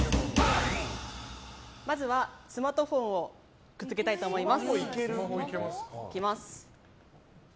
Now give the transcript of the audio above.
まずは、スマートフォンをくっつけたいと思います。